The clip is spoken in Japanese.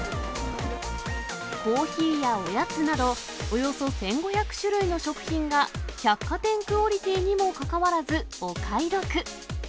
コーヒーやおやつなど、およそ１５００種類の食品が、百貨店クオリティーにもかかわらずお買い得。